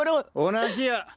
同じや！